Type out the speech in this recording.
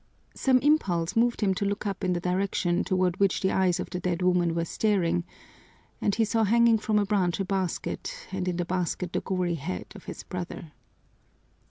Some impulse moved him to look up in the direction toward which the eyes of the dead woman were staring, and he saw hanging from a branch a basket and in the basket the gory head of his brother!"